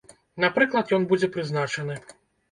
Напрыклад, ён будзе прызначаны.